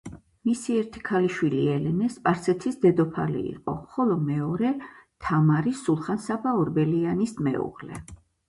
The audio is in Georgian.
მისი ერთი ქალიშვილი, ელენე სპარსეთის დედოფალი იყო, ხოლო მეორე, თამარი სულხან-საბა ორბელიანის მეუღლე.